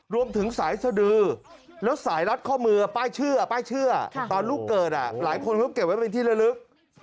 รวมถึงสายสดือแล้วสายรัดข้อมือป้ายเชื่อป้ายเชื่อตอนลูกเกิดหลายคนเขาเก็บไว้เป็นที่ละลึก